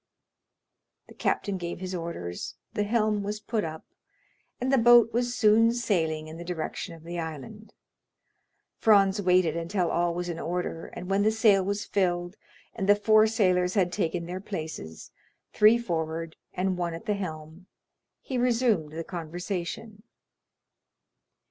The captain gave his orders, the helm was put up, and the boat was soon sailing in the direction of the island. Franz waited until all was in order, and when the sail was filled, and the four sailors had taken their places—three forward, and one at the helm—he resumed the conversation.